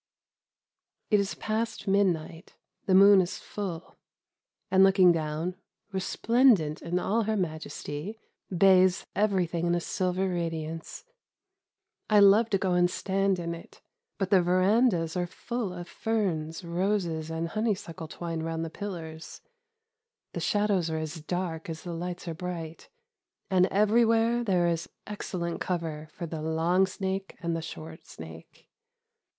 It is past midnight; the moon is full, and looking down, resplendent in all her majesty, bathes everything in a silver radiance. I love to go and stand in it; but the verandahs are full of ferns, roses and honeysuckle twine round the pillars, the shadows are as dark as the lights are bright, and everywhere there is excellent cover for the "long snake" and the "short snake."